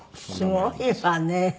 すごいわね。